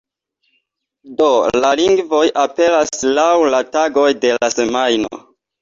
Do la lingvoj aperas laŭ la tagoj de la semajno.